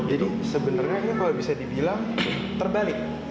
jadi sebenarnya ini kalau bisa dibilang terbalik